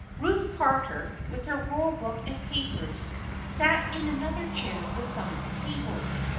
Ruth Carter, with her roll book and papers, sat in another chair beside the table.